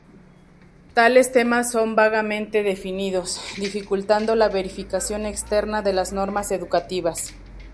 Tales temas son vagamente definidos, dificultando la verificación externa de las normas educativas.